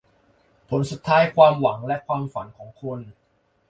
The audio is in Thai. ผลสุดท้ายความหวังและความฝันของคน